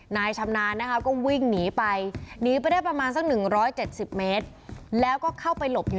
นายชำนานนะครับก็วิ่งหนีไป